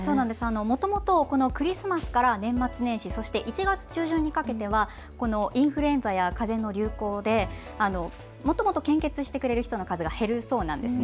もともとクリスマスから年末年始、そして１月中旬にかけてはインフルエンザやかぜの流行でもともと献血してくれる人の数が減るそうなんです。